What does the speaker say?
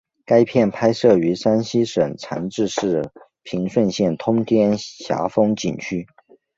该片拍摄于山西省长治市平顺县通天峡风景区。